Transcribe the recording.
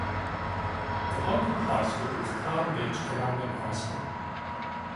The local high school is Palm Beach Currumbin High School.